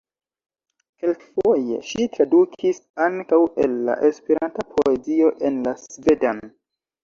Kelkfoje ŝi tradukis ankaŭ el la Esperanta poezio en la svedan.